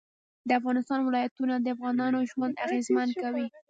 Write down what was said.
د افغانستان ولايتونه د افغانانو ژوند اغېزمن کوي.